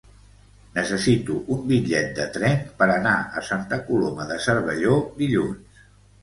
Necessito un bitllet de tren per anar a Santa Coloma de Cervelló dilluns.